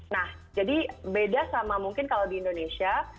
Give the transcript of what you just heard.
nah jadi beda sama mungkin kalau di indonesia